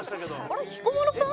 あれっ彦摩呂さん？